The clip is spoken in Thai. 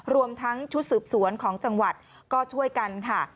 รวมทั้งชุดสืบสวนของจังหวัดก็ช่วยกันค่ะ